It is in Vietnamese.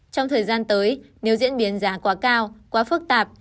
trong thời gian tới nếu diễn biến giá quá cao quá phức tạp